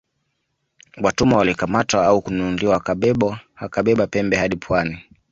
Watumwa walikamatwa au kununuliwa wakabeba pembe hadi pwani